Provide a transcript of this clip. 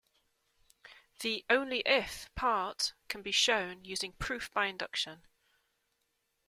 The 'only if' part can be shown using proof by induction.